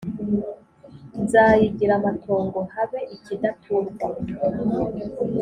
nzayigira amatongo habe ikidaturwa